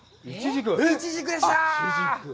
いちじくでした。